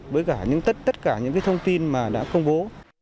với cả tất cả những thông tin mà đã công bố